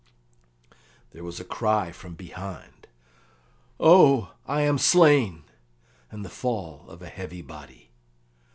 ] There was a cry from behind, "O, I am slain!" and the fall of a heavy body.